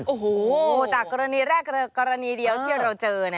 โอ้โหจากกรณีแรกกรณีเดียวที่เราเจอ